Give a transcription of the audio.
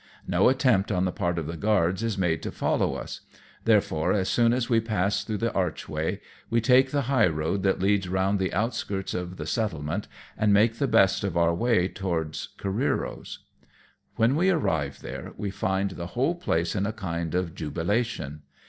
No attempt on the part of the guards is made to follow us ; therefore, as soon as we pass through the archway, we take the high road that leads round the outskirts of the settlement, and make the best of our way towards Careero's. JAPAN OPENED AT LAST. 279 When we arrive there, we find the whole place in a kind of jubilation.